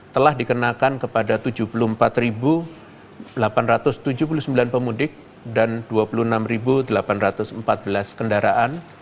telah dikenakan kepada tujuh puluh empat delapan ratus tujuh puluh sembilan pemudik dan dua puluh enam delapan ratus empat belas kendaraan